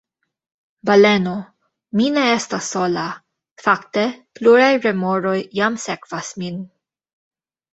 Baleno: "Mi ne estas sola. Fakte, pluraj remoroj jam sekvas min."